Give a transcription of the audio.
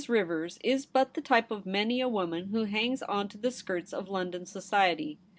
Rivers is but the type of many a woman who hangs on to the skirts of London society.